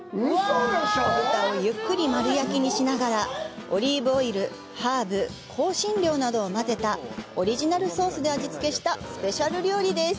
子豚をゆっくり丸焼きにしながらオリーブオイル、ハーブ、香辛料などを混ぜたオリジナルソースで味付けしたスペシャル料理です。